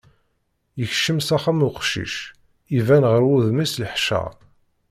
Yekcem s axxam uqcic, iban ɣef wudem-is leḥcer.